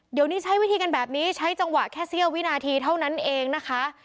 เดี๋ยวนี้ใช้วิธีกันแบบนี้ใช้จังหวะแค่เสี้ยววินาทีเท่านั้นเองนะคะ